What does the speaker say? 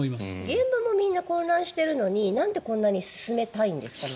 現場もみんな混乱しているのになんでこんなに進めたいんですかね。